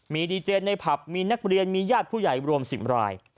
มีดีเจนในผับมีนักเรียนมีญาติผู้ใหญ่รวม๑๐ราย